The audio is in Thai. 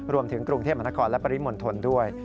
รวมถึงกรุงเทพมนาคอร์และปริมนธนด้วย